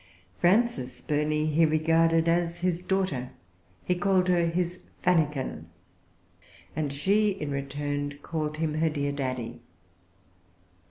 Frances Burney he regarded as his daughter. He called her his Fannikin; and she in return called him her dear Daddy.